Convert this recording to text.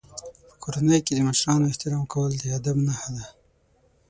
په کورنۍ کې د مشرانو احترام کول د ادب نښه ده.